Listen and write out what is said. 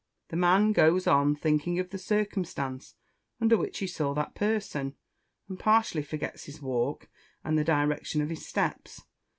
The man goes on thinking of the circumstance under which he saw that person, and partially forgets his walk, and the direction of his steps.